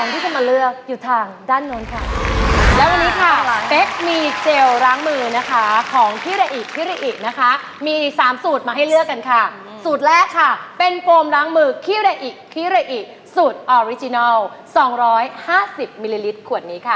แต่อยู่ทางด้านนู้นและวันนี้เจลร้างมือผมล้างมือนะคะ